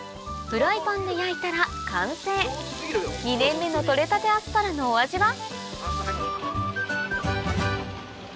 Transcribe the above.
フライパンで焼いたら完成２年目の取れたてアスパラのお味は？